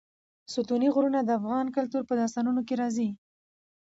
ستوني غرونه د افغان کلتور په داستانونو کې راځي.